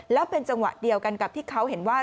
แล้วเป็นจังหวะเดียวกันกับที่เขาเห็นว่า